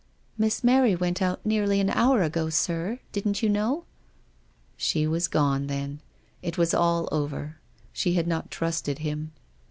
" Miss Mary went out nearly an hour ago, sir. Didn't you know ?" She was gone, then. It was all over. She had not trusted him.